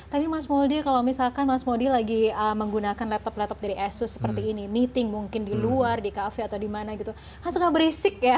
tapi mas mouldie kalau misalkan mas mouldie lagi menggunakan laptop laptop dari asus seperti ini meeting mungkin di luar di cafe atau di mana gitu kan suka berisik ya